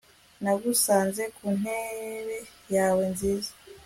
Nagusanze ku ntebe yawe nziza